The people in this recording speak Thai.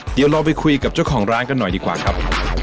เดี๋ยวเราไปคุยกับเจ้าของร้านกันหน่อยดีกว่าครับ